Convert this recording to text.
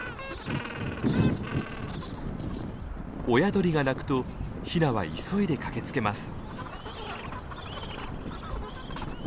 親鳥が鳴くとヒナは急いで駆けつけます。